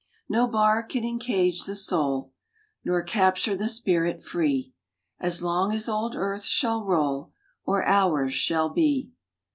No bar can encage the soul, Nor capture the spirit free, As long as old earth shall roll, Or hours shall be.